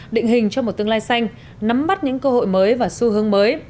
định hình cho một tương lai xanh nắm bắt những cơ hội mới và xu hướng mới